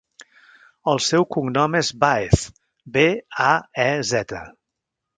El seu cognom és Baez: be, a, e, zeta.